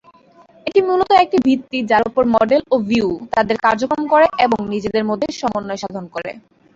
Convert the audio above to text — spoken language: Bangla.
এটি মূলত একটি ভিত্তি যার ওপর মডেল ও ভিউ তাদের কার্যক্রম করে এবং নিজেদের মধ্যে সমন্বয় সাধন করে।